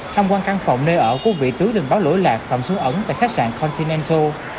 tham quan căn phòng nơi ở của vị tứ trình báo lỗi lạc phạm xuống ẩn tại khách sạn continento